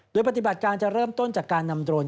โดยปฏิบัติการจะเริ่มต้นจากการนำโดรน